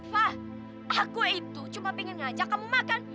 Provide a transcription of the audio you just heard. fah aku itu cuma pengen ngajak kamu makan